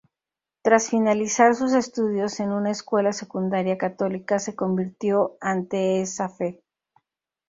Tras finalizar sus estudios en una escuela secundaria católica, se convirtió ante esa fe.